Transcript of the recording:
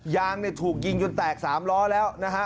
ยางเนี่ยถูกยิงจนแตก๓ล้อแล้วนะฮะ